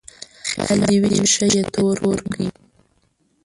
خيال دې وي چې ښه يې تور کړې.